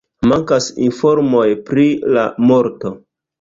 Mankas informoj pri la morto.